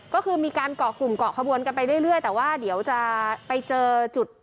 ก็คือมีการเกาะกลุ่มเกาะขบวนกันไปเรื่อยแต่ว่าเดี๋ยวจะไปเจอจุด